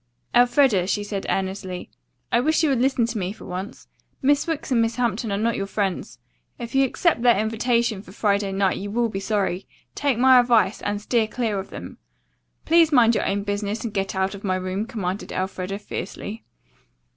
"Elfreda," she said earnestly, "I wish you would listen to me for once. Miss Wicks and Miss Hampton are not your friends. If you accept their invitation for Friday night you will be sorry. Take my advice, and steer clear of them." "Please mind your own business and get out of my room," commanded Elfreda fiercely.